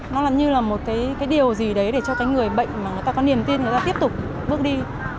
nó là như là một cái điều gì đấy để cho cái người bệnh mà người ta có niềm tin người ta tiếp tục bước đi